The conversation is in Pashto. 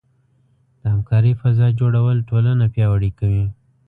د همکارۍ فضاء جوړول ټولنه پیاوړې کوي.